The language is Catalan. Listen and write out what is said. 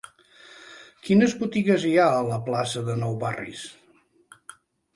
Quines botigues hi ha a la plaça de Nou Barris?